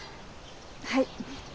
はい。